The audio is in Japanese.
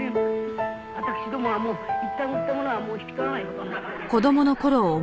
「私どもはもういったん売ったものはもう引き取らない事になっておりますので」